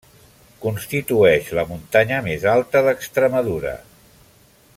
Constitueix la muntanya més alta d'Extremadura.